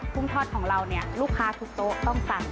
ุ้งทอดของเราเนี่ยลูกค้าทุกโต๊ะต้องสั่ง